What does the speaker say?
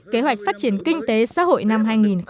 kế hoạch phát triển kinh tế xã hội năm hai nghìn một mươi chín